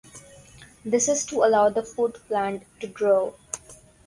This is to allow the food plant to grow.